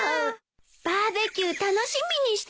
バーベキュー楽しみにしてたのに。